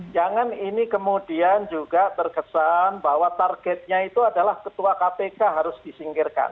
jangan ini kemudian juga terkesan bahwa targetnya itu adalah ketua kpk harus disingkirkan